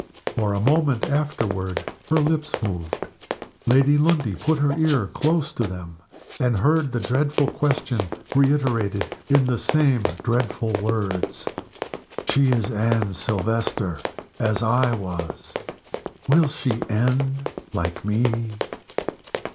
For a moment afterward her lips moved. Lady Lundie put her ear close to them, and heard the dreadful question reiterated, in the same dreadful words: "She is Anne Silvester as I was. _Will she end like Me?